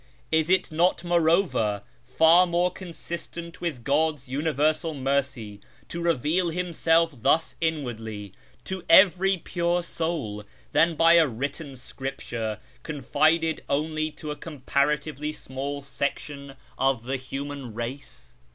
Is it not, moreover, far more consistent with God's universal mercy to reveal Himself thus inwardly to every pure soul than by a written scripture confided only to a comparatively small section of the human race